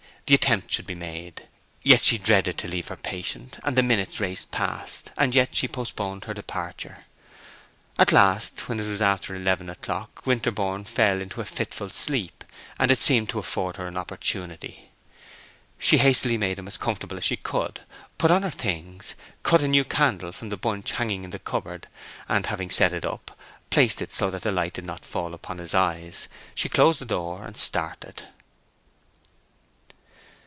The attempt should be made. Yet she dreaded to leave her patient, and the minutes raced past, and yet she postponed her departure. At last, when it was after eleven o'clock, Winterborne fell into a fitful sleep, and it seemed to afford her an opportunity. She hastily made him as comfortable as she could, put on her things, cut a new candle from the bunch hanging in the cupboard, and having set it up, and placed it so that the light did not fall upon his eyes, she closed the door and started.